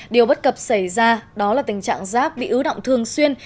điều bất cập xảy ra đó là tình trạng giác bị ưu động thường xuyên